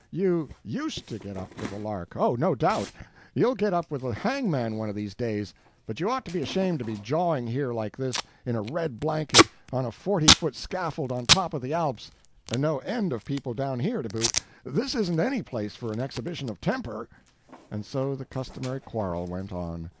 "YOU used to get up with the lark Oh, no doubt you'll get up with the hangman one of these days. But you ought to be ashamed to be jawing here like this, in a red blanket, on a forty foot scaffold on top of the Alps. And no end of people down here to boot; this isn't any place for an exhibition of temper." And so the customary quarrel went on.